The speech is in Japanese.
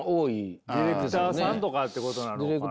ディレクターさんとかってことなのかな？